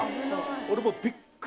俺もう。